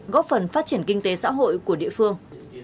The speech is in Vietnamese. góp phần phát triển kinh tế xã hội của địa phương